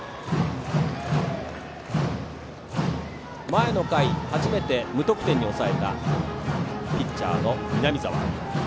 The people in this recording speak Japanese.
前の回、初めて無得点に抑えたピッチャーの南澤。